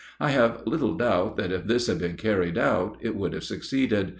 I have little doubt that if this had been carried out it would have succeeded.